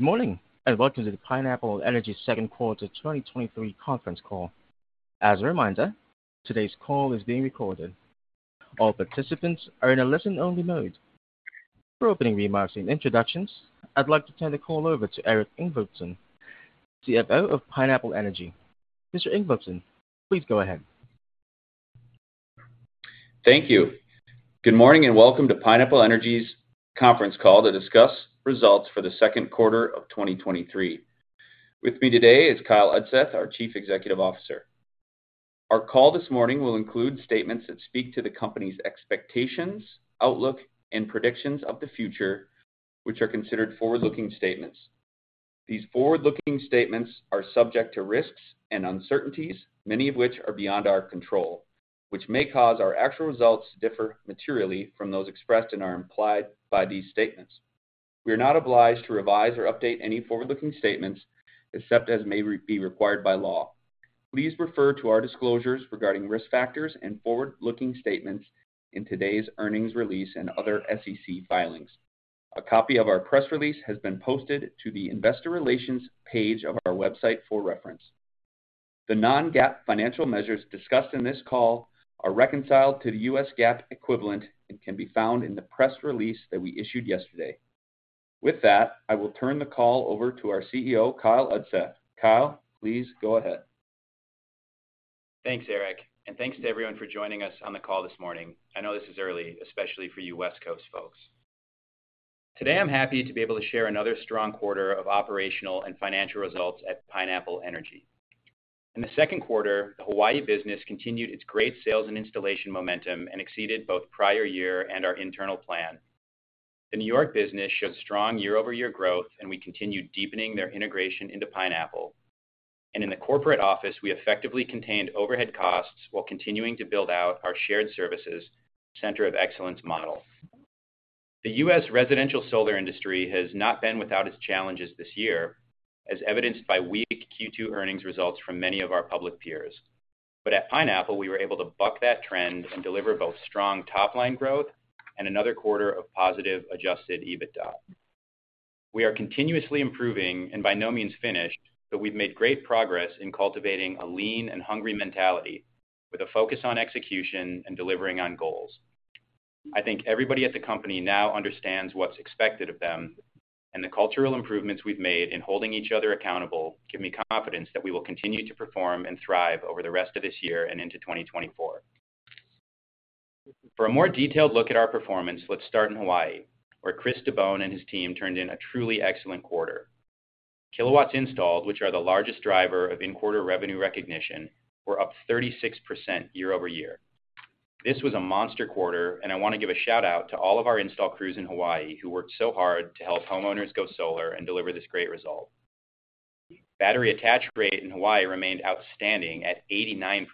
Good morning, welcome to the Pineapple Energy second quarter 2023 conference call. As a reminder, today's call is being recorded. All participants are in a listen-only mode. For opening remarks and introductions, I'd like to turn the call over to Eric Ingvaldson, CFO of Pineapple Energy. Mr. Ingvaldson, please go ahead. Thank you. Good morning. Welcome to Pineapple Energy's conference call to discuss results for the second quarter of 2023. With me today is Kyle Udseth, our Chief Executive Officer. Our call this morning will include statements that speak to the company's expectations, outlook, and predictions of the future, which are considered forward-looking statements. These forward-looking statements are subject to risks and uncertainties, many of which are beyond our control, which may cause our actual results to differ materially from those expressed and are implied by these statements. We are not obliged to revise or update any forward-looking statements, except as may be required by law. Please refer to our disclosures regarding risk factors and forward-looking statements in today's earnings release and other SEC filings. A copy of our press release has been posted to the investor relations page of our website for reference. The non-GAAP financial measures discussed in this call are reconciled to the U.S. GAAP equivalent and can be found in the press release that we issued yesterday. With that, I will turn the call over to our CEO, Kyle Udseth. Kyle, please go ahead. Thanks, Eric, and thanks to everyone for joining us on the call this morning. I know this is early, especially for you West Coast folks. Today, I'm happy to be able to share another strong quarter of operational and financial results at Pineapple Energy. In the second quarter, the Hawaii business continued its great sales and installation momentum and exceeded both prior year and our internal plan. The New York business showed strong year-over-year growth, and we continued deepening their integration into Pineapple. In the corporate office, we effectively contained overhead costs while continuing to build out our shared services center of excellence model. The U.S. residential solar industry has not been without its challenges this year, as evidenced by weak Q2 earnings results from many of our public peers. At Pineapple, we were able to buck that trend and deliver both strong top-line growth and another quarter of positive adjusted EBITDA. We are continuously improving and by no means finished, but we've made great progress in cultivating a lean and hungry mentality with a focus on execution and delivering on goals. I think everybody at the company now understands what's expected of them, and the cultural improvements we've made in holding each other accountable give me confidence that we will continue to perform and thrive over the rest of this year and into 2024. For a more detailed look at our performance, let's start in Hawaii, where Chris DeBone and his team turned in a truly excellent quarter. Kilowatts installed, which are the largest driver of in-quarter revenue recognition, were up 36% year-over-year. This was a monster quarter, and I want to give a shout-out to all of our install crews in Hawaii who worked so hard to help homeowners go solar and deliver this great result. Battery attach rate in Hawaii remained outstanding at 89%,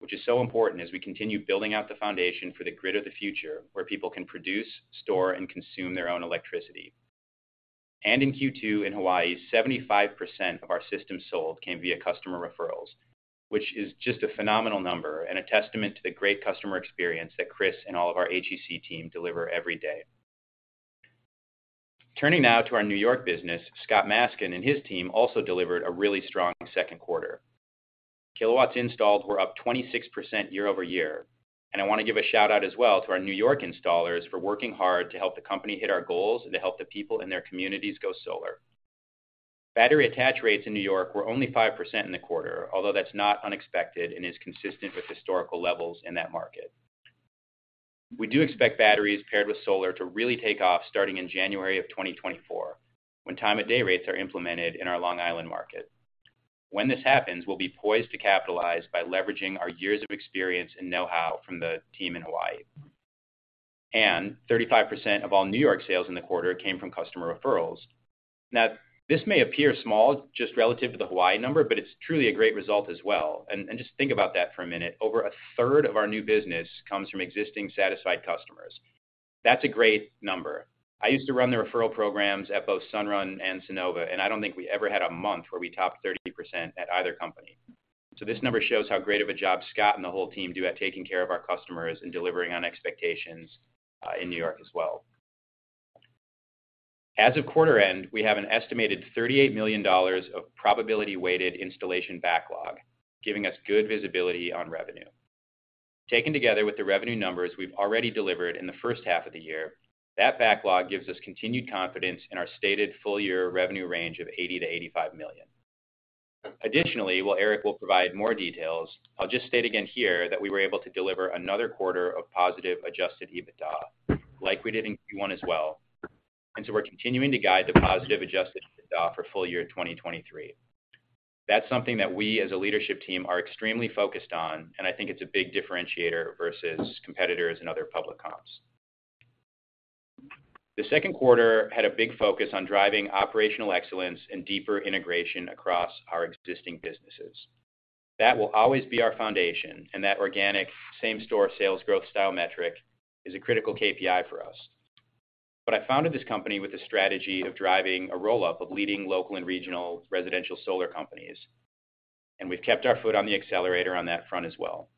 which is so important as we continue building out the foundation for the grid of the future, where people can produce, store, and consume their own electricity. In Q2 in Hawaii, 75% of our systems sold came via customer referrals, which is just a phenomenal number and a testament to the great customer experience that Chris and all of our HEC team deliver every day. Turning now to our New York business, Scott Maskin and his team also delivered a really strong second quarter. Kilowatts installed were up 26% year-over-year. I want to give a shout-out as well to our New York installers for working hard to help the company hit our goals and to help the people in their communities go solar. Battery attach rates in New York were only 5% in the quarter, although that's not unexpected and is consistent with historical levels in that market. We do expect batteries paired with solar to really take off starting in January of 2024, when time of day rates are implemented in our Long Island market. When this happens, we'll be poised to capitalize by leveraging our years of experience and know-how from the team in Hawaii. 35% of all New York sales in the quarter came from customer referrals. Now, this may appear small, just relative to the Hawaii number, but it's truly a great result as well. Just think about that for a minute. Over a third of our new business comes from existing, satisfied customers. That's a great number. I used to run the referral programs at both Sunrun and Sunnova, and I don't think we ever had a month where we topped 30% at either company. This number shows how great of a job Scott and the whole team do at taking care of our customers and delivering on expectations in New York as well. As of quarter end, we have an estimated $38 million of probability-weighted installation backlog, giving us good visibility on revenue. Taken together with the revenue numbers we've already delivered in the first half of the year, that backlog gives us continued confidence in our stated full-year revenue range of $80 million-$85 million. Additionally, while Eric will provide more details, I'll just state again here that we were able to deliver another quarter of positive adjusted EBITDA, like we did in Q1 as well. We're continuing to guide the positive adjusted EBITDA for full-year 2023. That's something that we, as a leadership team, are extremely focused on, and I think it's a big differentiator versus competitors and other public comps. The second quarter had a big focus on driving operational excellence and deeper integration across our existing businesses. That will always be our foundation, that organic same-store sales growth style metric is a critical KPI for us. I founded this company with a strategy of driving a roll-up of leading local and regional residential solar companies, and we've kept our foot on the accelerator on that front as well.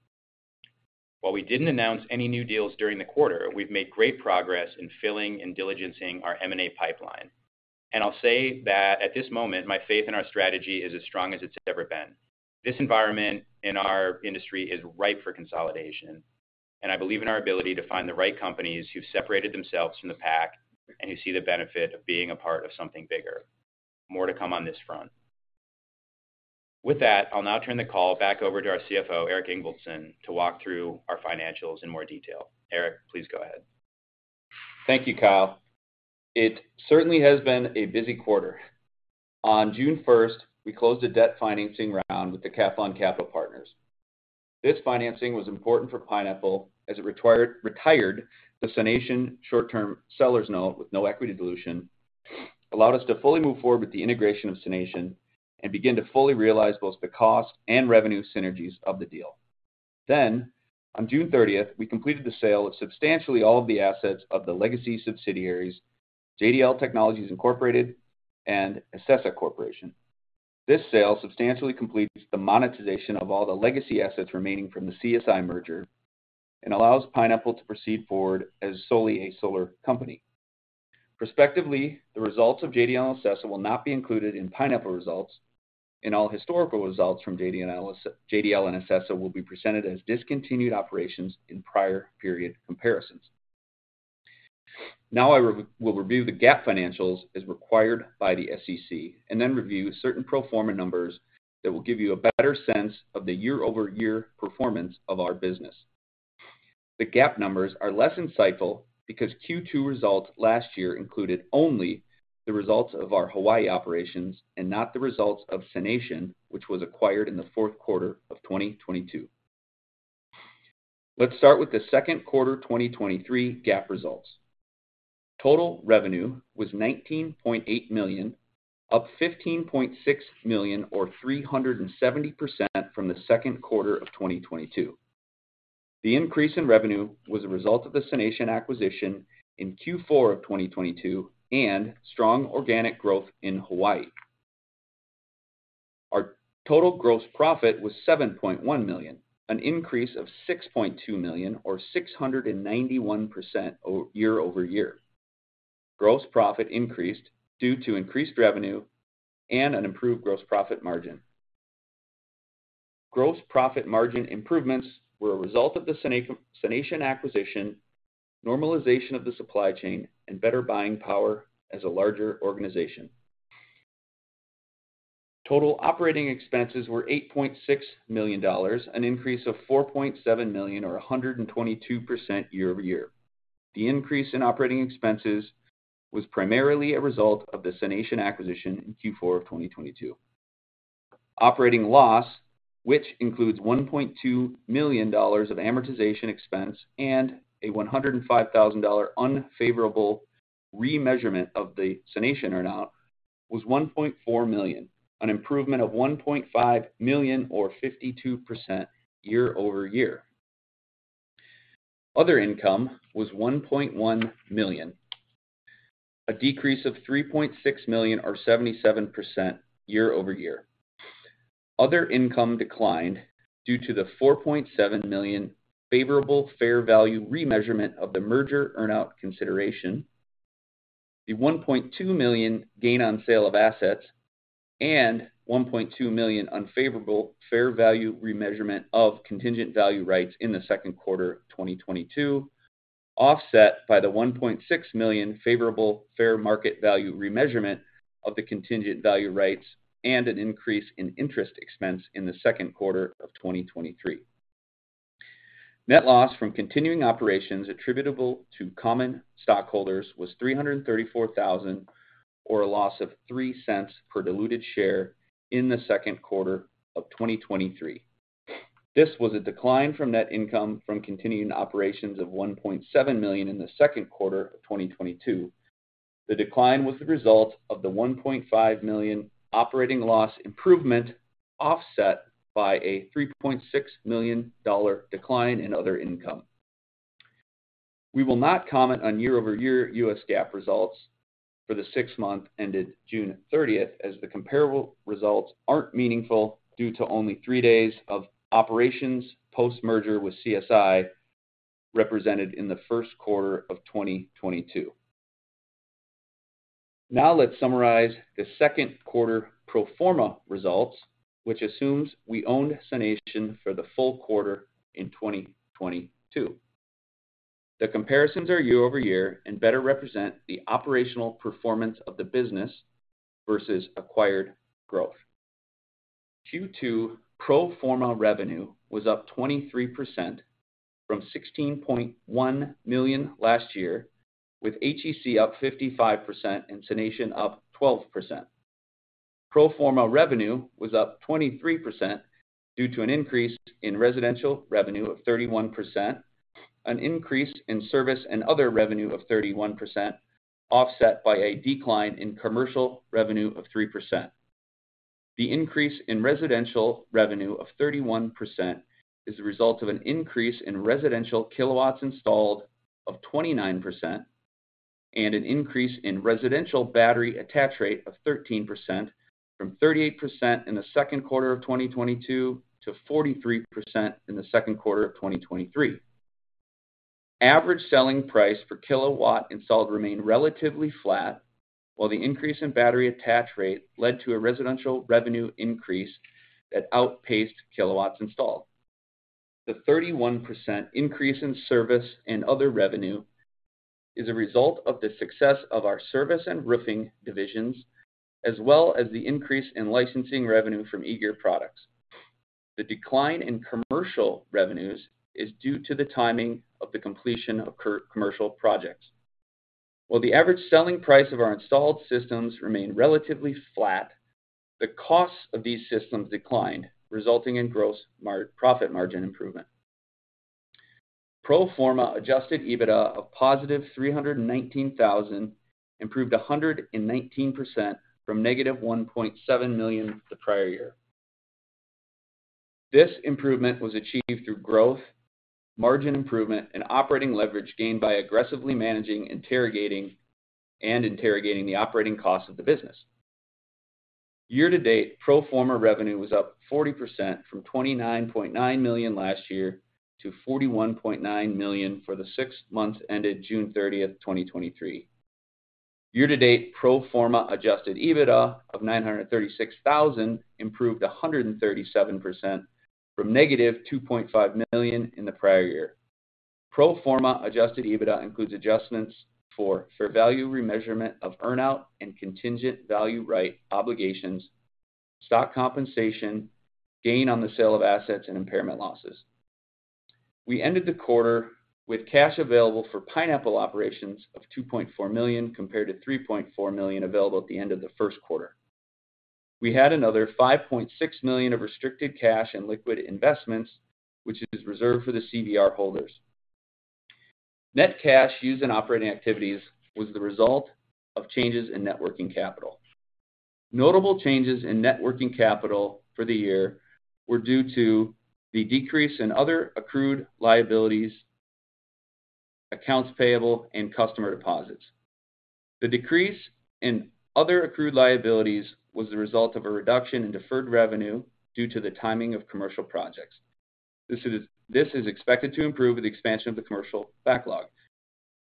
While we didn't announce any new deals during the quarter, we've made great progress in filling and diligencing our M&A pipeline. I'll say that at this moment, my faith in our strategy is as strong as it's ever been. This environment in our industry is ripe for consolidation, and I believe in our ability to find the right companies who've separated themselves from the pack and who see the benefit of being a part of something bigger. More to come on this front. With that, I'll now turn the call back over to our Chief Financial Officer, Eric Ingvaldson, to walk through our financials in more detail. Eric, please go ahead. Thank you, Kyle. It certainly has been a busy quarter. On June 1st, we closed a debt financing round with the Decathlon Capital Partners. This financing was important for Pineapple as it retired the SUNation short-term seller's note with no equity dilution, allowed us to fully move forward with the integration of SUNation, and begin to fully realize both the cost and revenue synergies of the deal. On June 30th, we completed the sale of substantially all of the assets of the legacy subsidiaries, JDL Technologies, Incorporated and Ecessa Corporation. This sale substantially completes the monetization of all the legacy assets remaining from the CSI merger and allows Pineapple to proceed forward as solely a solar company. Prospectively, the results of JDL and Ecessa will not be included in Pineapple results, and all historical results from JDL and JDL and Ecessa will be presented as discontinued operations in prior period comparisons. Now, I will review the GAAP financials as required by the SEC, and then review certain pro forma numbers that will give you a better sense of the year-over-year performance of our business. The GAAP numbers are less insightful because Q2 results last year included only the results of our Hawaii operations and not the results of SUNation, which was acquired in the fourth quarter of 2022. Let's start with the second quarter 2023 GAAP results. Total revenue was $19.8 million, up $15.6 million, or 370% from the second quarter of 2022. The increase in revenue was a result of the SUNation acquisition in Q4 of 2022 and strong organic growth in Hawaii. Our total gross profit was $7.1 million, an increase of $6.2 million, or 691% year-over-year. Gross profit increased due to increased revenue and an improved gross profit margin. Gross profit margin improvements were a result of the SUNation acquisition, normalization of the supply chain, and better buying power as a larger organization. Total operating expenses were $8.6 million, an increase of $4.7 million or 122% year-over-year. The increase in operating expenses was primarily a result of the SUNation acquisition in Q4 of 2022. Operating loss, which includes $1.2 million of amortization expense and a $105,000 unfavorable remeasurement of the SUNation earnout, was $1.4 million, an improvement of $1.5 million, or 52% year-over-year. Other income was $1.1 million, a decrease of $3.6 million, or 77% year-over-year. Other income declined due to the $4.7 million favorable fair value remeasurement of the merger earnout consideration, the $1.2 million gain on sale of assets, and $1.2 million unfavorable fair value remeasurement of contingent value rights in the second quarter of 2022, offset by the $1.6 million favorable fair market value remeasurement of the contingent value rights and an increase in interest expense in the second quarter of 2023. Net loss from continuing operations attributable to common stockholders was $334,000, or a loss of $0.03 per diluted share in the second quarter of 2023. This was a decline from net income from continuing operations of $1.7 million in the second quarter of 2022. The decline was the result of the $1.5 million operating loss improvement, offset by a $3.6 million dollar decline in other income. We will not comment on year-over-year U.S. GAAP results for the 6-month ended June thirtieth, as the comparable results aren't meaningful due to only three days of operations post-merger with CSI, represented in the first quarter of 2022. Now, let's summarize the second quarter pro forma results, which assumes we owned SUNation for the full quarter in 2022. The comparisons are year-over-year and better represent the operational performance of the business versus acquired growth. Q2 pro forma revenue was up 23% from $16.1 million last year, with HEC up 55% and SUNation up 12%. Pro forma revenue was up 23% due to an increase in residential revenue of 31%, an increase in service and other revenue of 31%, offset by a decline in commercial revenue of 3%. The increase in residential revenue of 31% is a result of an increase in residential kilowatts installed of 29%.... and an increase in residential battery attach rate of 13%, from 38% in the second quarter of 2022 to 43% in the second quarter of 2023. Average selling price per kilowatt installed remained relatively flat, while the increase in battery attach rate led to a residential revenue increase that outpaced kilowatts installed. The 31% increase in service and other revenue is a result of the success of our service and roofing divisions, as well as the increase in licensing revenue from E-Gear products. The decline in commercial revenues is due to the timing of the completion of commercial projects. While the average selling price of our installed systems remained relatively flat, the cost of these systems declined, resulting in gross profit margin improvement. Pro forma adjusted EBITDA of +$319,000 improved 119% from -$1.7 million the prior year. This improvement was achieved through growth, margin improvement, and operating leverage gained by aggressively managing, interrogating, and interrogating the operating costs of the business. Year to date, pro forma revenue was up 40% from $29.9 million last year to $41.9 million for the 6 months ended June 30th, 2023. Year to date, pro forma adjusted EBITDA of $936,000 improved 137% from -$2.5 million in the prior year. Pro forma adjusted EBITDA includes adjustments for, fair value, remeasurement of earnout and contingent value right obligations, stock compensation, gain on the sale of assets, and impairment losses. We ended the quarter with cash available for Pineapple operations of $2.4 million, compared to $3.4 million available at the end of the first quarter. We had another $5.6 million of restricted cash and liquid investments, which is reserved for the CVR holders. Net cash used in operating activities was the result of changes in net working capital. Notable changes in net working capital for the year were due to the decrease in other accrued liabilities, accounts payable, and customer deposits. The decrease in other accrued liabilities was the result of a reduction in deferred revenue due to the timing of commercial projects. This is expected to improve with the expansion of the commercial backlog.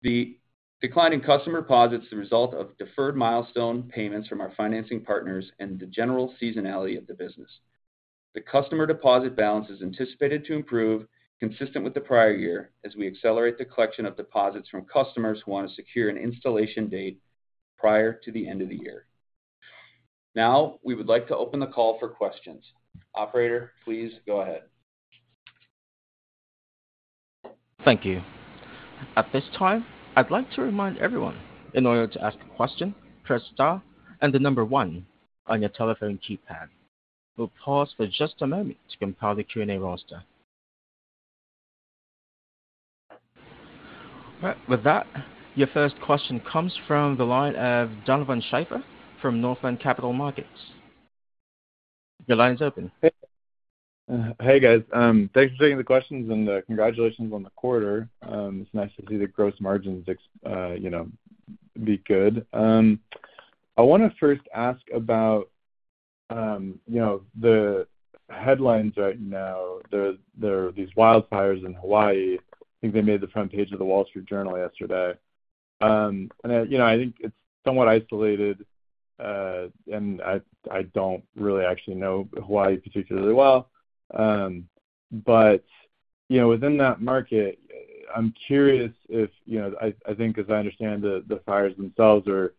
The decline in customer deposits is the result of deferred milestone payments from our financing partners and the general seasonality of the business. The customer deposit balance is anticipated to improve consistent with the prior year, as we accelerate the collection of deposits from customers who want to secure an installation date prior to the end of the year. We would like to open the call for questions. Operator, please go ahead. Thank you. At this time, I'd like to remind everyone, in order to ask a question, press star and the 1 on your telephone keypad. We'll pause for just a moment to compile the Q&A roster. All right. With that, your first question comes from the line of Donovan Schafer from Northland Capital Markets. Your line is open. Hey, guys. Thanks for taking the questions, congratulations on the quarter. It's nice to see the gross margins, ex- be good. I want to first ask about, the headlines right now. There, there are these wildfires in Hawaii. I think they made the front page of The Wall Street Journal yesterday. I think it's somewhat isolated, and I, I don't really actually know Hawaii particularly well. You know, within that market, I'm curious if. I, I think, as I understand, the, the fires themselves are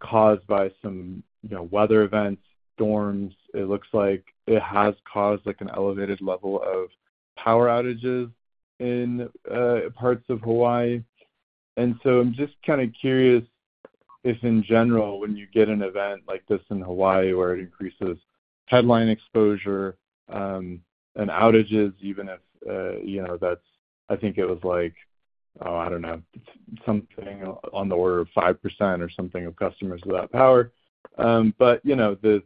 caused by some, weather events, storms. It looks like it has caused, like, an elevated level of power outages in parts of Hawaii. I'm just kind of curious if, in general, when you get an event like this in Hawaii, where it increases headline exposure, and outages, even if, that's-- I think it was like, oh, I don't know, something on the order of 5% or something, of customers without power. The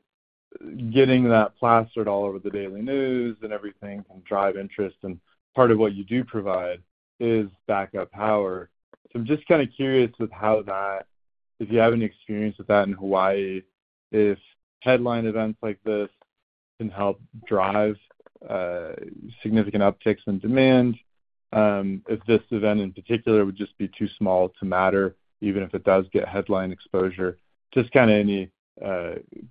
getting that plastered all over the daily news and everything can drive interest, and part of what you do provide is backup power. I'm just kind of curious with how that, if you have any experience with that in Hawaii, if headline events like this can help drive, significant upticks in demand, if this event in particular would just be too small to matter, even if it does get headline exposure. Just kind of any,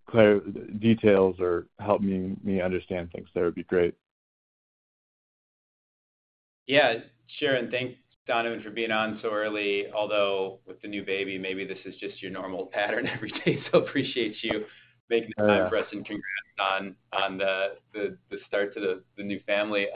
clear details or help me understand things there would be great. Yeah, sure, and thanks, Donovan, for being on so early. Although, with the new baby, maybe this is just your normal pattern every day, so appreciate you making the time for us. Yeah. Congrats on, on the, the, the start to the, the new family.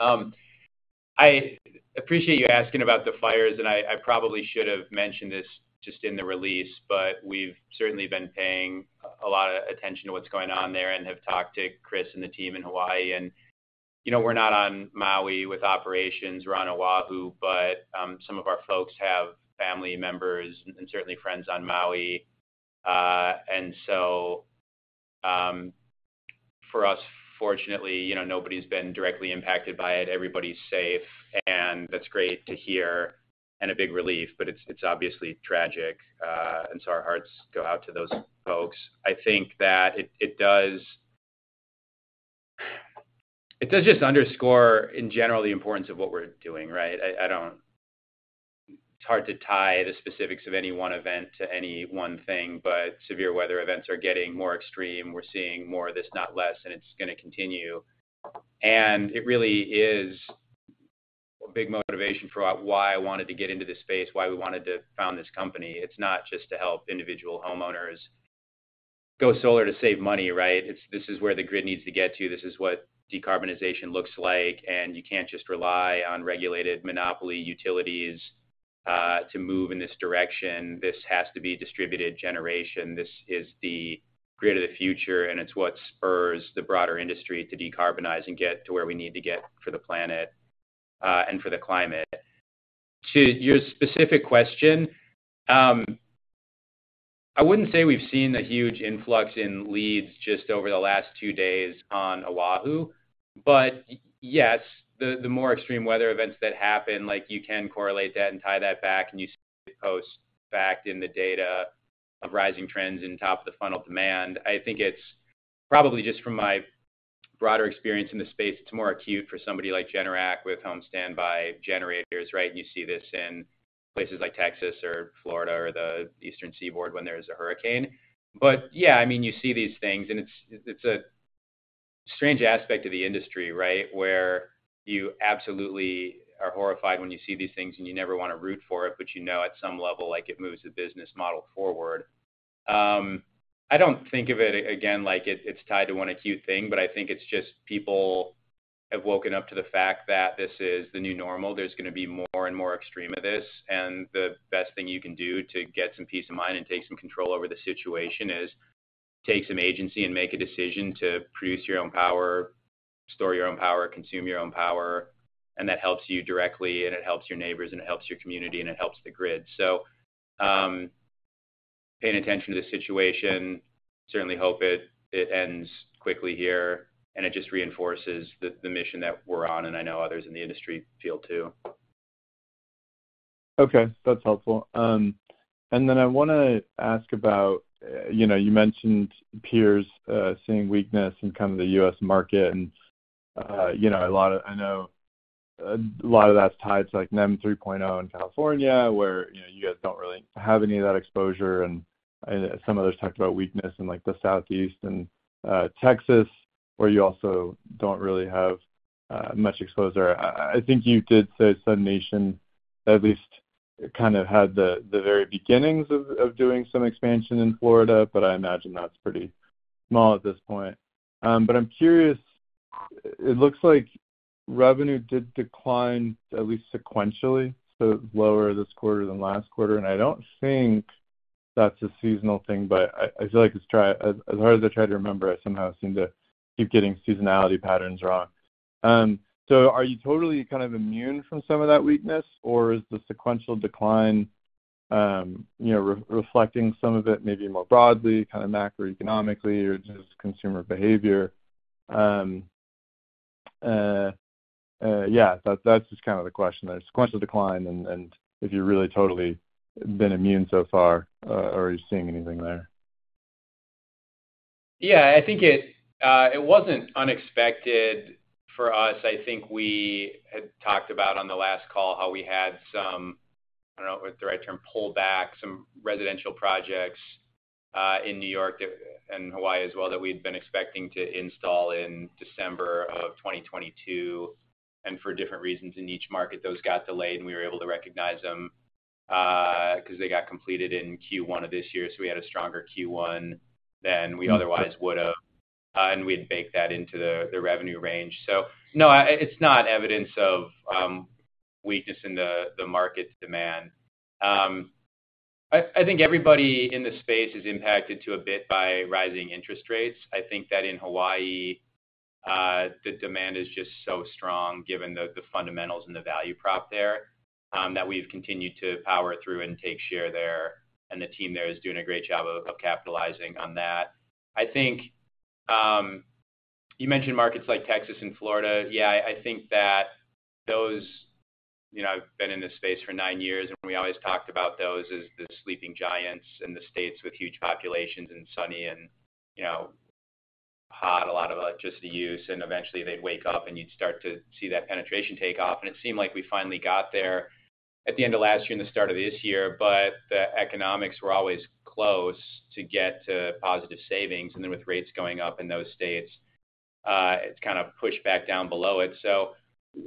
I appreciate you asking about the fires, and I, I probably should have mentioned this just in the release, but we've certainly been paying a lot of attention to what's going on there and have talked to Chris and the team in Hawaii. You know, we're not on Maui with operations. We're on Oahu, but some of our folks have family members and certainly friends on Maui. and so, For us, fortunately, nobody's been directly impacted by it. Everybody's safe, and that's great to hear and a big relief, but it's, it's obviously tragic, and so our hearts go out to those folks. I think that it does, it does just underscore, in general, the importance of what we're doing, right? It's hard to tie the specifics of any one event to any one thing, but severe weather events are getting more extreme. We're seeing more of this, not less, and it's gonna continue. It really is a big motivation for why I wanted to get into this space, why we wanted to found this company. It's not just to help individual homeowners go solar to save money, right? This is where the grid needs to get to. This is what decarbonization looks like, and you can't just rely on regulated monopoly utilities to move in this direction. This has to be distributed generation. This is the grid of the future, and it's what spurs the broader industry to decarbonize and get to where we need to get for the planet and for the climate. To your specific question, I wouldn't say we've seen a huge influx in leads just over the last 2 days on Oahu. Yes, the more extreme weather events that happen, like, you can correlate that and tie that back, and you post back in the data of rising trends in top-of-the-funnel demand. I think it's probably just from my broader experience in the space, it's more acute for somebody like Generac with home standby generators, right? You see this in places like Texas or Florida or the Eastern Seaboard when there's a hurricane. Yeah, I mean, you see these things, and it's, it's a strange aspect of the industry, right? Where you absolutely are horrified when you see these things, and you never wanna root for it, but at some level, like, it moves the business model forward. I don't think of it again, like it's, it's tied to one acute thing, but I think it's just people have woken up to the fact that this is the new normal. There's gonna be more and more extreme of this, and the best thing you can do to get some peace of mind and take some control over the situation is take some agency and make a decision to produce your own power, store your own power, consume your own power, and that helps you directly, and it helps your neighbors, and it helps your community, and it helps the grid. Paying attention to the situation, certainly hope it, it ends quickly here, and it just reinforces the, the mission that we're on, and I know others in the industry feel too. Okay, that's helpful. Then I wanna ask about you mentioned peers seeing weakness in kind of the U.S. market, and, I know a lot of that's tied to, like, NEM 3.0 in California, where, you guys don't really have any of that exposure, and, and some others talked about weakness in, like, the Southeast and Texas, where you also don't really have much exposure. I think you did say SUNation at least kind of had the, the very beginnings of, of doing some expansion in Florida, but I imagine that's pretty small at this point. I'm curious, it looks like revenue did decline, at least sequentially, so lower this quarter than last quarter, and I don't think that's a seasonal thing, but I, I feel like As hard as I try to remember, I somehow seem to keep getting seasonality patterns wrong. Are you totally kind of immune from some of that weakness, or is the sequential decline, reflecting some of it, maybe more broadly, kind of macroeconomically or just consumer behavior? Yeah, that's just kind of the question, the sequential decline and, and if you've really totally been immune so far, are you seeing anything there? I think it wasn't unexpected for us. I think we had talked about on the last call how we had some, I don't know what the right term, pull back some residential projects in New York and Hawaii as well, that we'd been expecting to install in December of 2022. For different reasons, in each market, those got delayed, and we were able to recognize them, 'cause they got completed in Q1 of this year. We had a stronger Q1 than we otherwise would have, and we'd baked that into the, the revenue range. No, it's not evidence of weakness in the, the market demand. I, I think everybody in this space is impacted to a bit by rising interest rates. I think that in Hawaii, the demand is just so strong, given the, the fundamentals and the value prop there, that we've continued to power through and take share there, and the team there is doing a great job of capitalizing on that. I think, you mentioned markets like Texas and Florida. Yeah, I think that those I've been in this space for 9 years, and we always talked about those as the sleeping giants and the states with huge populations and sunny and, hot, a lot of electricity use, and eventually they'd wake up, and you'd start to see that penetration take off. It seemed like we finally got there at the end of last year and the start of this year, but the economics were always close to get to positive savings, and then with rates going up in those states, it's kind of pushed back down below it.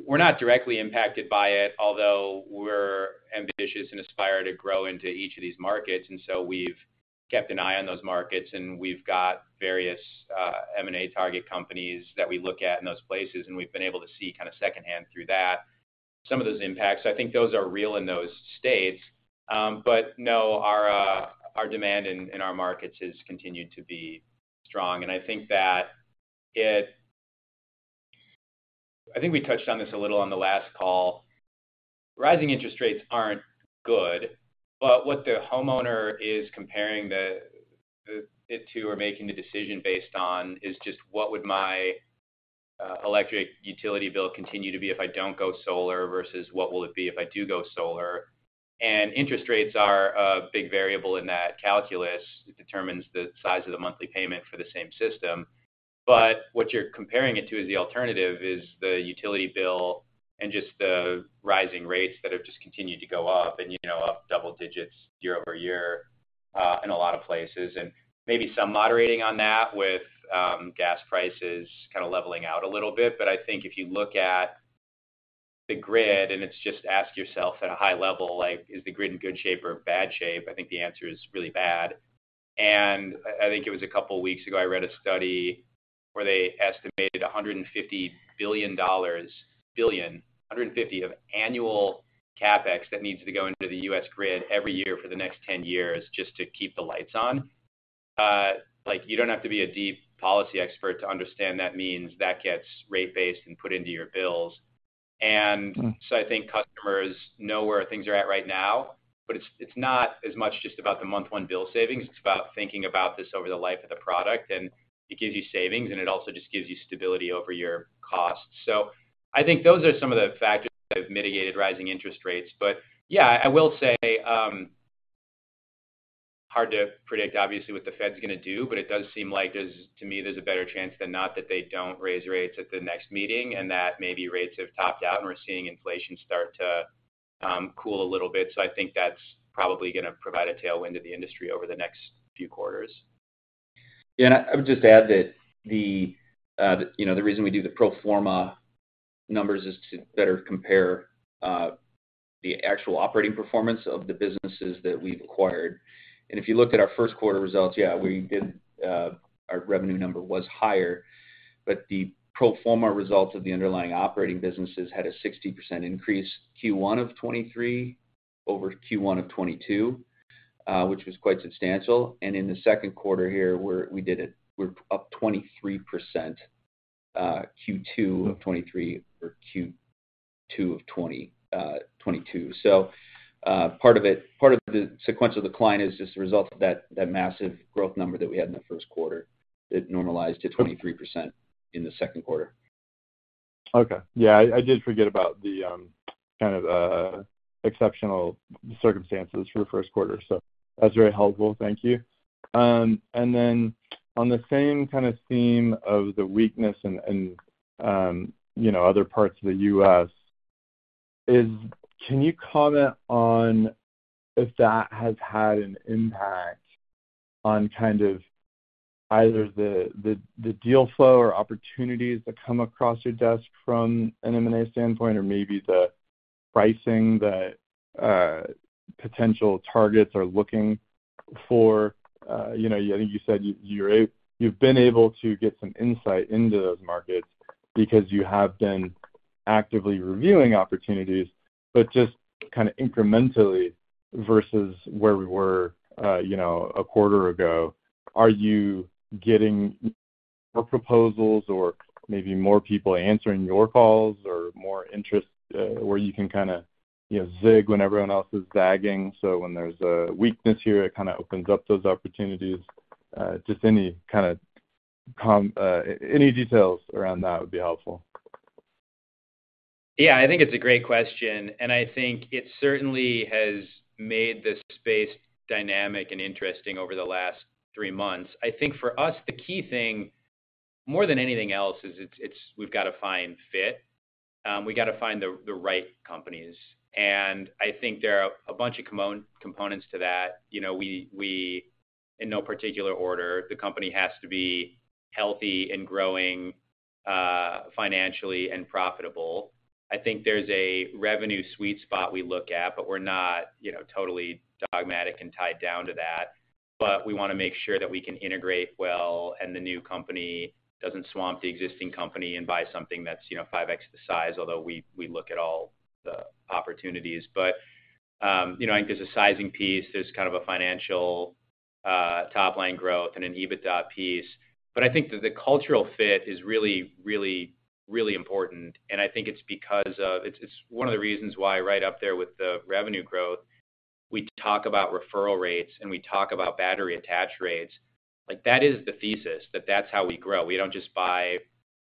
We're not directly impacted by it, although we're ambitious and aspire to grow into each of these markets. We've kept an eye on those markets, and we've got various M&A target companies that we look at in those places, and we've been able to see kind of secondhand through that, some of those impacts. I think those are real in those states. No, our demand in our markets has continued to be strong, and I think that I think we touched on this a little on the last call. Rising interest rates aren't good, what the homeowner is comparing the, it to, or making the decision based on, is just what would my electric utility bill continue to be if I don't go solar versus what will it be if I do go solar? Interest rates are a big variable in that calculus. It determines the size of the monthly payment for the same system. What you're comparing it to is the alternative, is the utility bill and just the rising rates that have just continued to go up, and, up double digits year-over-year, in a lot of places, and maybe some moderating on that with, gas prices kinda leveling out a little bit. I think if you look at the grid and it's just ask yourself at a high level, like, is the grid in good shape or bad shape? I think the answer is really bad. I think it was a couple of weeks ago, I read a study where they estimated $150 billion of annual CapEx that needs to go into the U.S. grid every year for the next 10 years just to keep the lights on. Like, you don't have to be a deep policy expert to understand that means that gets rate-based and put into your bills. Mm-hmm. I think customers know where things are at right now, but it's, it's not as much just about the month one bill savings, it's about thinking about this over the life of the product, and it gives you savings, and it also just gives you stability over your costs. I think those are some of the factors that have mitigated rising interest rates. Yeah, I will say, hard to predict, obviously, what the Fed's gonna do, but it does seem like there's to me, there's a better chance than not that they don't raise rates at the next meeting, and that maybe rates have topped out, and we're seeing inflation start to cool a little bit. I think that's probably gonna provide a tailwind to the industry over the next few quarters. I, I would just add that the reason we do the pro forma numbers is to better compare the actual operating performance of the businesses that we've acquired. If you look at our first quarter results, we did, our revenue number was higher, but the pro forma results of the underlying operating businesses had a 60% increase, Q1 of 2023 over Q1 of 2022, which was quite substantial. In the second quarter here, we're up 23%, Q2 of 2023 over Q2 of 2022. Part of it, part of the sequential decline is just a result of that, that massive growth number that we had in the first quarter. It normalized to 23% in the second quarter. Okay. Yeah, I, I did forget about the, kind of, exceptional circumstances for first quarter, so that's very helpful. Thank you. Then on the same kind of theme of the weakness and, and, other parts of the U.S., can you comment on if that has had an impact on kind of either the, the, the deal flow or opportunities that come across your desk from an M&A standpoint, or maybe the pricing that potential targets are looking for? I think you said you, you've been able to get some insight into those markets because you have been actively reviewing opportunities, but just kinda incrementally versus where we were, a quarter ago. Are you getting more proposals or maybe more people answering your calls or more interest, where you can kinda, zig when everyone else is zagging? When there's a weakness here, it kinda opens up those opportunities. Just any kinda any details around that would be helpful. Yeah, I think it's a great question. I think it certainly has made this space dynamic and interesting over the last 3 months. I think for us, the key thing, more than anything else, is we've got to find fit. We got to find the, the right companies. I think there are a bunch of components to that. You know, in no particular order, the company has to be healthy and growing, financially and profitable. I think there's a revenue sweet spot we look at, but we're not, totally dogmatic and tied down to that. We want to make sure that we can integrate well, and the new company doesn't swamp the existing company and buy something that's, 5x the size, although we look at all the opportunities. I think there's a sizing piece, there's kind of a financial, top-line growth and an EBITDA piece. I think that the cultural fit is really, really, really important, and I think it's because of-- it's, it's one of the reasons why right up there with the revenue growth, we talk about referral rates, and we talk about battery attach rates. Like, that is the thesis, that that's how we grow. We don't just buy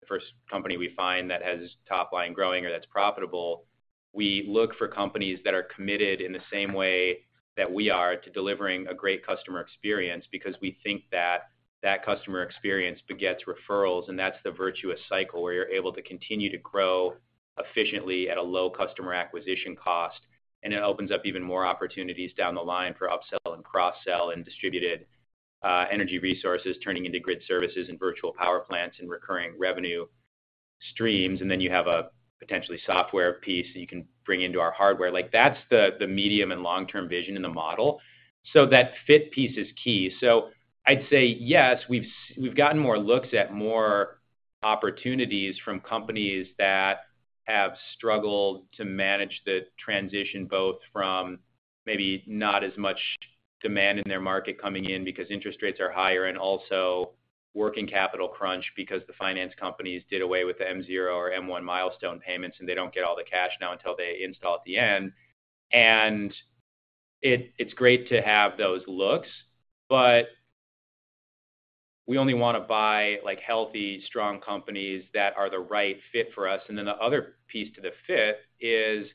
the first company we find that has top line growing or that's profitable. We look for companies that are committed in the same way that we are to delivering a great customer experience because we think that that customer experience begets referrals, and that's the virtuous cycle, where you're able to continue to grow efficiently at a low customer acquisition cost, and it opens up even more opportunities down the line for upsell and cross-sell and distributed energy resources, turning into grid services and virtual power plants and recurring revenue streams. Then you have a potentially software piece that you can bring into our hardware. Like, that's the, the medium and long-term vision in the model. That fit piece is key. I'd say, yes, we've gotten more looks at more opportunities from companies that-... have struggled to manage the transition, both from maybe not as much demand in their market coming in because interest rates are higher, and also working capital crunch because the finance companies did away with the M0 or M1 milestone payments, and they don't get all the cash now until they install at the end. It's great to have those looks, but we only wanna buy, like, healthy, strong companies that are the right fit for us. The other piece to the fit is,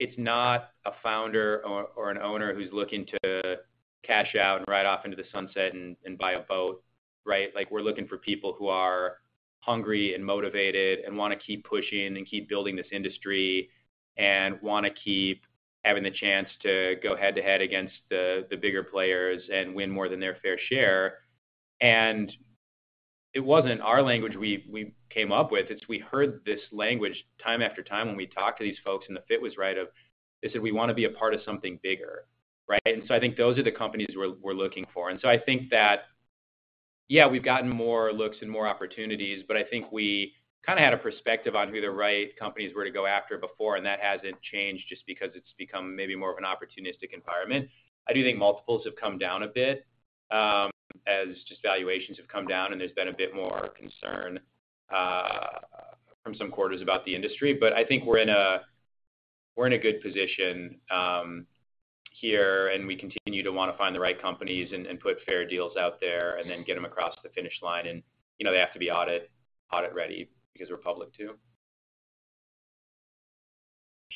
it's not a founder or an owner who's looking to cash out and ride off into the sunset and, and buy a boat, right? Like, we're looking for people who are hungry and motivated and wanna keep pushing and keep building this industry, and wanna keep having the chance to go head-to-head against the, the bigger players and win more than their fair share. It wasn't our language we, we came up with, it's we heard this language time after time when we talked to these folks, and the fit was right of- they said, "We wanna be a part of something bigger." Right? I think those are the companies we're, we're looking for. I think that, yeah, we've gotten more looks and more opportunities, but I think we kinda had a perspective on who the right companies were to go after before, and that hasn't changed just because it's become maybe more of an opportunistic environment. I do think multiples have come down a bit, as just valuations have come down, and there's been a bit more concern from some quarters about the industry. I think we're in a, we're in a good position here, and we continue to wanna find the right companies and, and put fair deals out there and then get them across the finish line. You know, they have to be audit, audit-ready because we're public, too.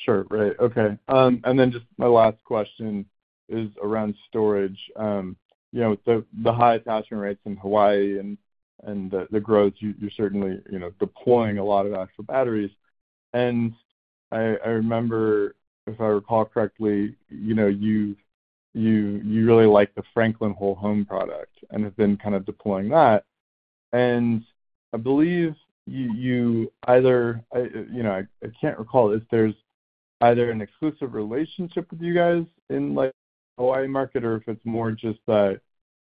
Sure. Right. Okay, and then just my last question is around storage. You know, with the, high attachment rates in Hawaii and, and the, the growth, you- you're certainly, deploying a lot of actual batteries. And I, I remember, if I recall correctly, you, you really like the FranklinWH Home Power product and have been kind of deploying that. And I believe you, either I, I can't recall if there's either an exclusive relationship with you guys in, like, Hawaii market or if it's more just that,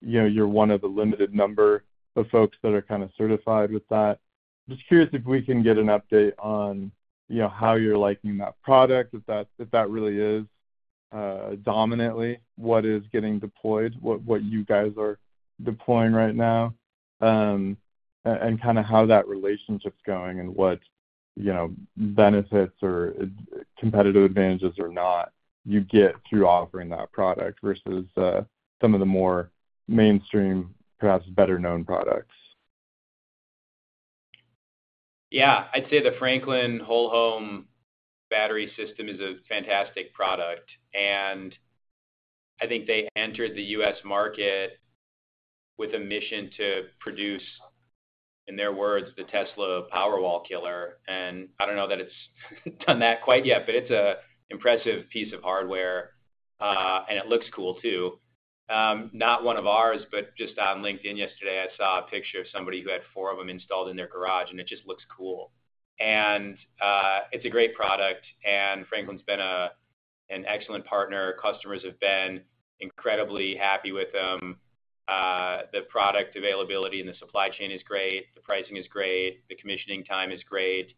you're one of the limited number of folks that are kinda certified with that. Just curious if we can get an update on, how you're liking that product, if that, if that really is dominantly what is getting deployed, what, what you guys are deploying right now, and kinda how that relationship's going, and what, benefits or competitive advantages or not you get through offering that product versus some of the more mainstream, perhaps better-known products? Yeah. I'd say the FranklinWH Home Power battery system is a fantastic product, and I think they entered the U.S. market with a mission to produce, in their words, the "Tesla Powerwall killer." I don't know that it's done that quite yet, but it's a impressive piece of hardware, and it looks cool too. Not one of ours, but just on LinkedIn yesterday, I saw a picture of somebody who had four of them installed in their garage, and it just looks cool. It's a great product, and FranklinWH's been an excellent partner. Customers have been incredibly happy with them. The product availability and the supply chain is great, the pricing is great, the commissioning time is great.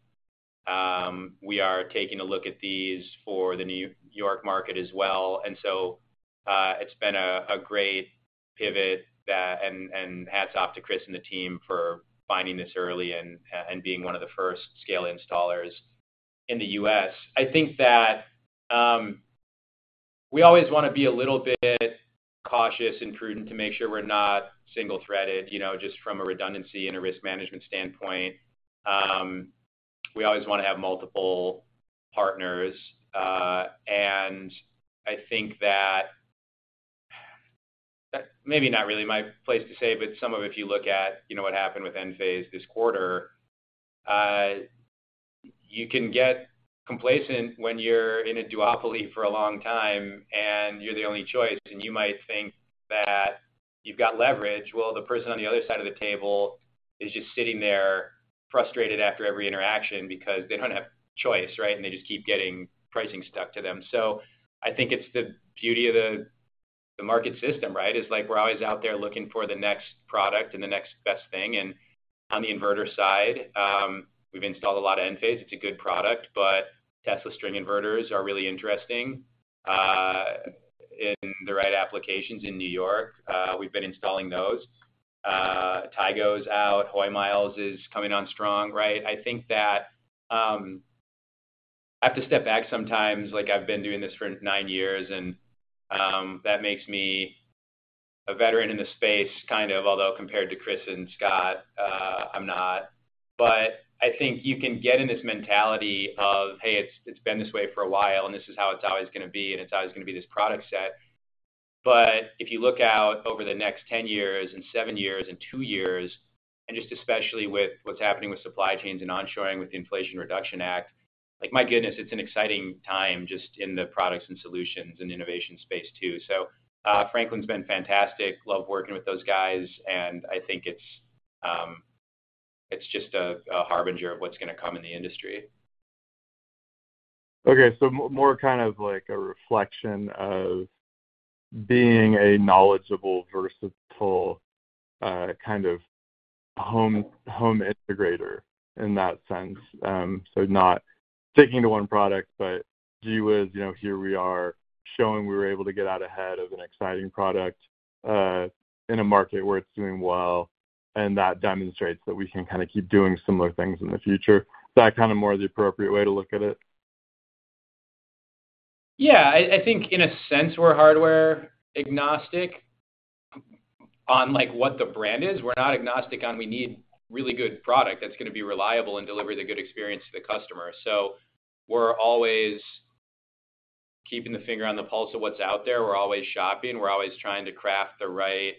We are taking a look at these for the New York market as well. So, it's been a great pivot, and hats off to Chris and the team for finding this early and being one of the first scale installers in the US. I think that we always wanna be a little bit cautious and prudent to make sure we're not single-threaded, just from a redundancy and a risk management standpoint. We always wanna have multiple partners. I think that... Maybe not really my place to say, but some of you if you look at, what happened with Enphase this quarter, you can get complacent when you're in a duopoly for a long time, and you're the only choice, and you might think that you've got leverage, while the person on the other side of the table is just sitting there frustrated after every interaction because they don't have choice, right? They just keep getting pricing stuck to them. I think it's the beauty of the, the market system, right? It's like we're always out there looking for the next product and the next best thing. On the inverter side, we've installed a lot of Enphase. It's a good product, but Tesla string inverters are really interesting in the right applications in New York. We've been installing those. Tigo is out. Hoyiles is coming on strong, right? I think that, I have to step back sometimes, like I've been doing this for nine years, and that makes me a veteran in the space, kind of, although compared to Chris and Scott, I'm not. I think you can get in this mentality of, "Hey, it's, it's been this way for a while, and this is how it's always gonna be, and it's always gonna be this product set." If you look out over the next 10 years and seven years and two years, and just especially with what's happening with supply chains and onshoring, with the Inflation Reduction Act, like, my goodness, it's an exciting time just in the products and solutions and innovation space, too. FranklinWH's been fantastic. Love working with those guys, and I think it's, it's just a, a harbinger of what's gonna come in the industry. Okay, more kind of like a reflection of being a knowledgeable, versatile, kind of home, home integrator in that sense. Not sticking to one product, but gee whiz, here we are showing we were able to get out ahead of an exciting product, in a market where it's doing well, and that demonstrates that we can kind of keep doing similar things in the future. Is that kind of more the appropriate way to look at it? Yeah, I, I think in a sense, we're hardware agnostic on, like, what the brand is. We're not agnostic on we need really good product that's going to be reliable and deliver the good experience to the customer. We're always keeping the finger on the pulse of what's out there. We're always shopping. We're always trying to craft the right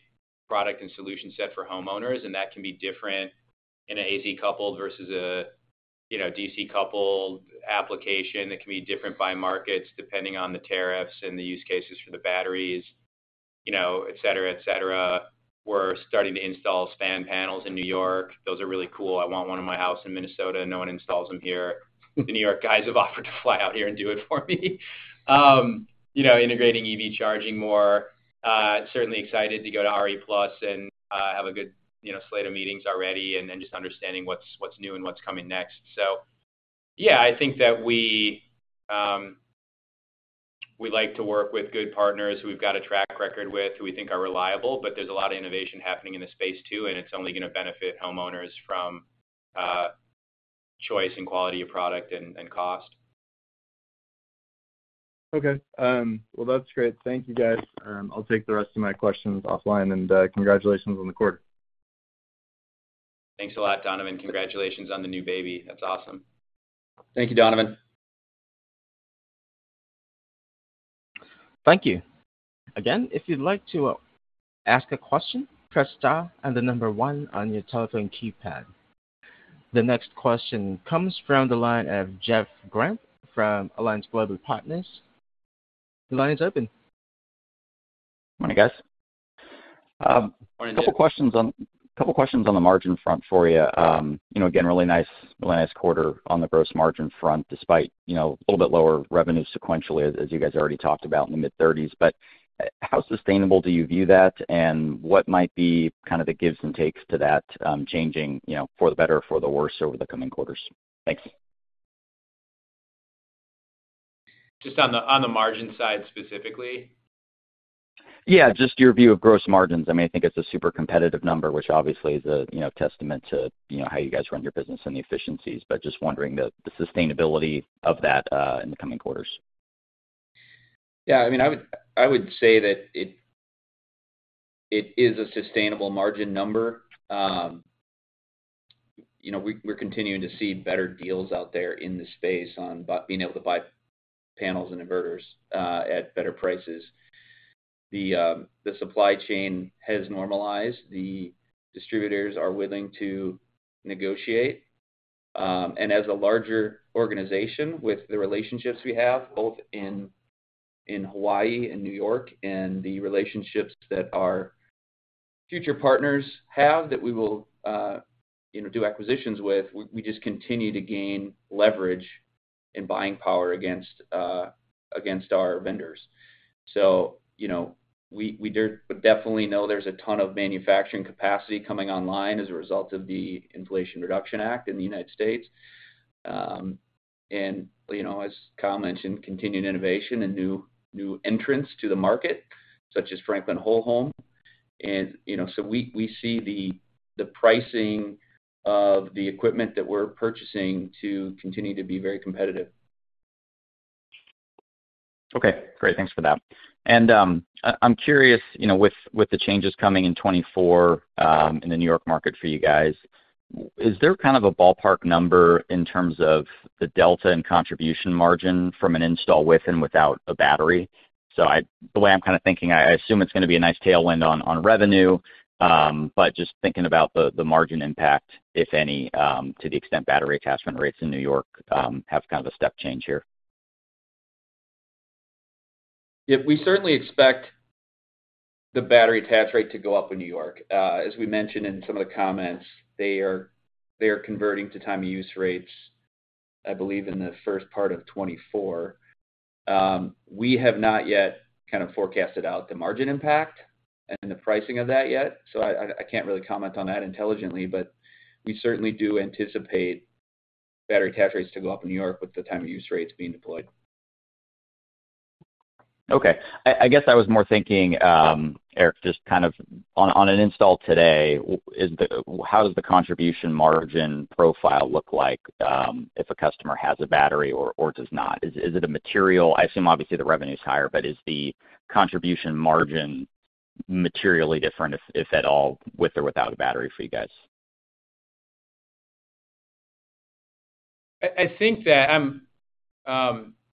product and solution set for homeowners, and that can be different in an AC-coupled versus a, DC-coupled application. It can be different by markets, depending on the tariffs and the use cases for the batteries, et cetera, et cetera. We're starting to install SPAN panels in New York. Those are really cool. I want one in my house in Minnesota. No one installs them here. The New York guys have offered to fly out here and do it for me. You know, integrating EV charging more, certainly excited to go to RE+ and have a good, slate of meetings already, and then just understanding what's, what's new and what's coming next. Yeah, I think that we, we like to work with good partners who we've got a track record with, who we think are reliable, but there's a lot of innovation happening in the space too, and it's only going to benefit homeowners from choice and quality of product and cost. Okay. Well, that's great. Thank you, guys. I'll take the rest of my questions offline, and congratulations on the quarter. Thanks a lot, Donovan. Congratulations on the new baby. That's awesome. Thank you, Donovan. Thank you. Again, if you'd like to ask a question, press star and 1 on your telephone keypad. The next question comes from the line of Jeff Grampp from Alliance Global Partners. The line is open. Morning, guys. Morning, Jeff. A couple questions on- couple questions on the margin front for you. You know, again, really nice, really nice quarter on the gross margin front, despite, a little bit lower revenue sequentially, as you guys already talked about in the mid-30s. How sustainable do you view that, and what might be kind of the gives and takes to that, changing, for the better or for the worse over the coming quarters? Thanks. Just on the margin side, specifically? Yeah, just your view of gross margins. I mean, I think it's a super competitive number, which obviously is a, testament to how you guys run your business and the efficiencies, but just wondering the, the sustainability of that in the coming quarters. Yeah, I mean, I would say that it is a sustainable margin number. We're continuing to see better deals out there in the space on being able to buy panels and inverters at better prices. The supply chain has normalized. The distributors are willing to negotiate. As a larger organization, with the relationships we have, both in Hawaii and New York, and the relationships that our future partners have, that we will, do acquisitions with, we just continue to gain leverage and buying power against our vendors. We definitely know there's a ton of manufacturing capacity coming online as a result of the Inflation Reduction Act in the United States. You know, as Kyle mentioned, continuing innovation and new, new entrants to the market, such as FranklinWH Home Power. So we, we see the, the pricing of the equipment that we're purchasing to continue to be very competitive. Okay, great. Thanks for that. I, I'm curious, with, with the changes coming in 2024, in the New York market for you guys, is there kind of a ballpark number in terms of the delta and contribution margin from an install with and without a battery? The way I'm kind of thinking, I, I assume it's going to be a nice tailwind on, on revenue, but just thinking about the, the margin impact, if any, to the extent battery attachment rates in New York, have kind of a step change here. Yeah, we certainly expect the battery attach rate to go up in New York. As we mentioned in some of the comments, they are converting to time of use rates, I believe, in the first part of 2024. We have not yet kind of forecasted out the margin impact and the pricing of that yet, so I, I, I can't really comment on that intelligently. We certainly do anticipate battery attach rates to go up in New York with the time of use rates being deployed. Okay. I, I guess I was more thinking, Eric, just kind of on, on an install today, how does the contribution margin profile look like, if a customer has a battery or does not? I assume, obviously, the revenue is higher, but is the contribution margin materially different, if at all, with or without a battery for you guys? I think that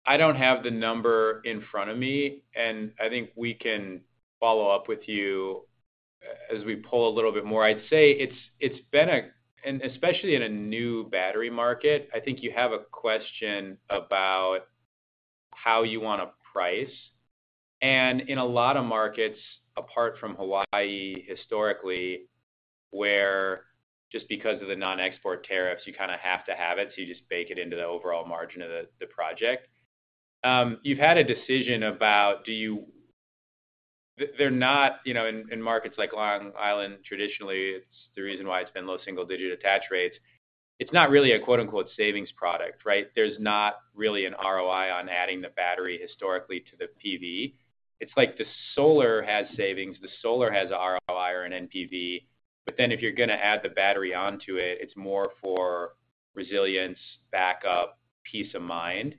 I don't have the number in front of me, and I think we can follow up with you as we pull a little bit more. I'd say it's, it's been a and especially in a new battery market, I think you have a question about. how you wanna price. In a lot of markets, apart from Hawaii, historically, where just because of the non-export tariffs, you kinda have to have it, so you just bake it into the overall margin of the, the project. You've had a decision about, they're not, in markets like Long Island, traditionally, it's the reason why it's been low single-digit attach rates. It's not really a quote, unquote, "savings product," right? There's not really an ROI on adding the battery historically to the PV. It's like the solar has savings, the solar has a ROI or an NPV. If you're gonna add the battery onto it, it's more for resilience, backup, peace of mind.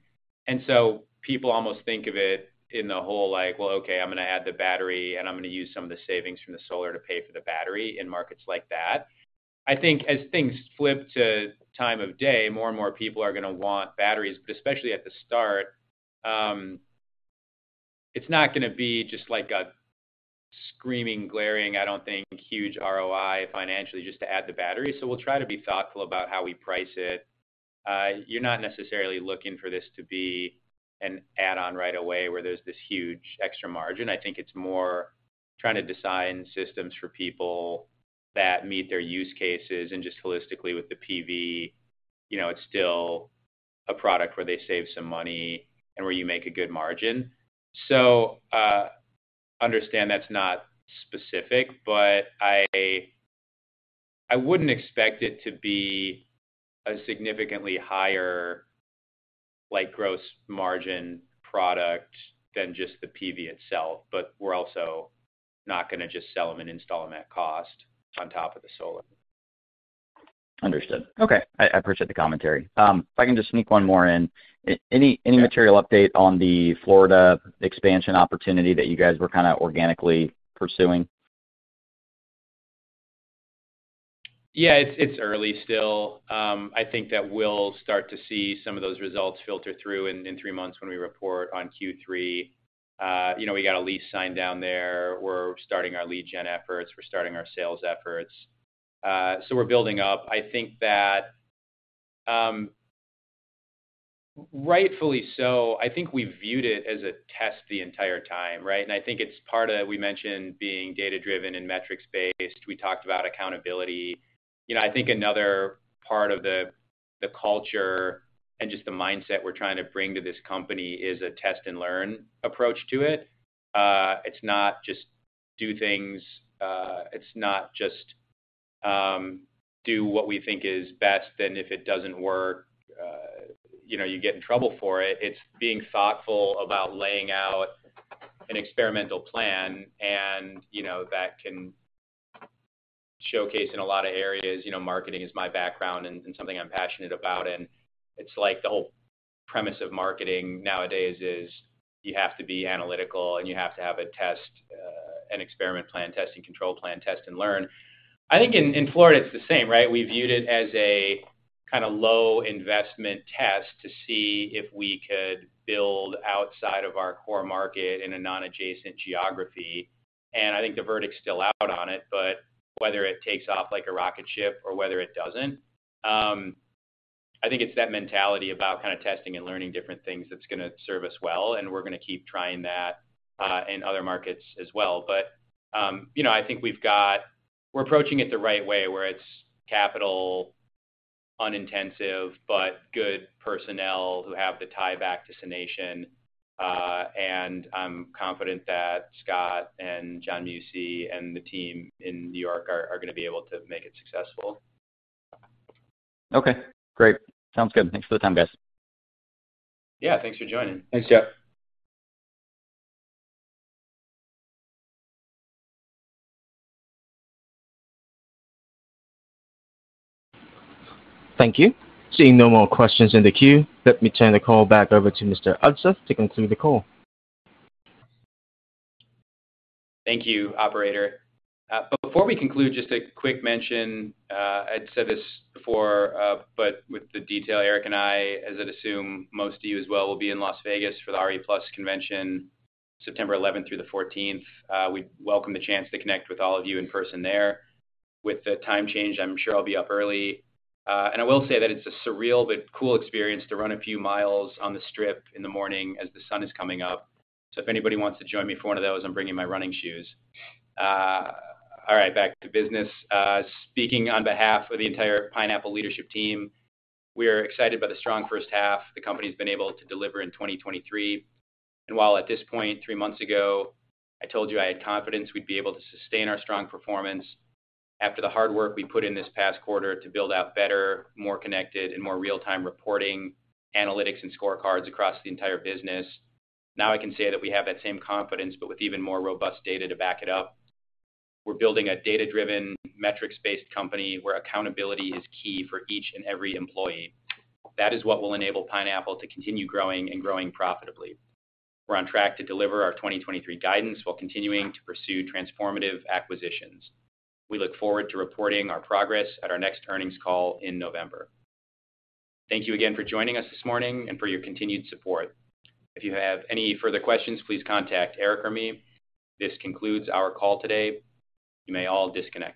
So people almost think of it in the whole, like, "Well, okay, I'm gonna add the battery, and I'm gonna use some of the savings from the solar to pay for the battery," in markets like that. I think as things flip to time of day, more and more people are gonna want batteries, but especially at the start. It's not gonna be just like a screaming, glaring, I don't think, huge ROI financially, just to add the battery. We'll try to be thoughtful about how we price it. You're not necessarily looking for this to be an add-on right away, where there's this huge extra margin. I think it's more trying to design systems for people that meet their use cases and just holistically with the PV, it's still a product where they save some money and where you make a good margin. Understand that's not specific, but I, I wouldn't expect it to be a significantly higher, like, gross margin product than just the PV itself, but we're also not gonna just sell them and install them at cost on top of the solar. Understood. Okay, I, I appreciate the commentary. If I can just sneak one more in. Any, any material Update on the Florida expansion opportunity that you guys were kinda organically pursuing? Yeah, it's, it's early still. I think that we'll start to see some of those results filter through in, in 3 months when we report on Q3. we got a lease signed down there. We're starting our lead gen efforts. We're starting our sales efforts. We're building up. I think that, rightfully so, I think we viewed it as a test the entire time, right? I think it's part of, we mentioned, being data-driven and metrics-based. We talked about accountability. I think another part of the, the culture and just the mindset we're trying to bring to this company is a test-and-learn approach to it. It's not just do things... It's not just, do what we think is best, then if it doesn't work, yoyou get in trouble for it. It's being thoughtful about laying out an experimental plan. That can showcase in a lot of areas. Marketing is my background and something I'm passionate about. It's like the whole premise of marketing nowadays is you have to be analytical. You have to have a test, an experiment plan, test and control plan, test and learn. I think in Florida, it's the same, right? We viewed it as a kinda low investment test to see if we could build outside of our core market in a non-adjacent geography. I think the verdict's still out on it. Whether it takes off like a rocket ship or whether it doesn't, I think it's that mentality about kinda testing and learning different things that's gonna serve us well. We're gonna keep trying that in other markets as well. I think we're approaching it the right way, where it's capital unintensive, but good personnel who have the tieback to SUNation. I'm confident that Scott and John Mucci and the team in New York are, are gonna be able to make it successful. Okay, great. Sounds good. Thanks for the time, guys. Yeah, thanks for joining. Thanks, Jeff. Thank you. Seeing no more questions in the queue, let me turn the call back over to Mr. Udseth to conclude the call. Thank you, operator. Before we conclude, just a quick mention. I'd said this before, with the detail, Eric and I, as I'd assume most of you as well, will be in Las Vegas for the RE+ convention, September 11th through the 14th. We welcome the chance to connect with all of you in person there. With the time change, I'm sure I'll be up early. I will say that it's a surreal but cool experience to run a few miles on the Strip in the morning as the sun is coming up. If anybody wants to join me for one of those, I'm bringing my running shoes. All right, back to business. Speaking on behalf of the entire Pineapple leadership team, we are excited by the strong first half the company's been able to deliver in 2023. While at this point, 3 months ago, I told you I had confidence we'd be able to sustain our strong performance, after the hard work we put in this past quarter to build out better, more connected, and more real-time reporting, analytics, and scorecards across the entire business, now I can say that we have that same confidence, but with even more robust data to back it up. We're building a data-driven, metrics-based company, where accountability is key for each and every employee. That is what will enable Pineapple to continue growing and growing profitably. We're on track to deliver our 2023 guidance while continuing to pursue transformative acquisitions. We look forward to reporting our progress at our next earnings call in November. Thank you again for joining us this morning and for your continued support. If you have any further questions, please contact Eric or me. This concludes our call today. You may all disconnect.